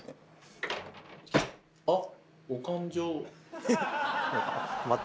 あっ！